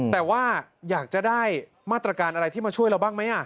แต่ว่าอยากจะได้มาตรการอะไรที่มาช่วยเราบ้างไหม